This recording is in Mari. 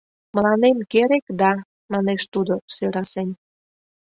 — Мыланем керек да... — манеш тудо сӧрасен.